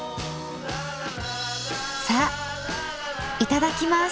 さあいただきます。